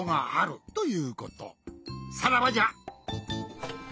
さらばじゃ。